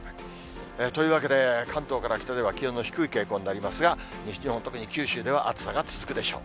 というわけで、関東から北では気温の低い傾向になりますが、西日本、特に九州では暑さが続くでしょう。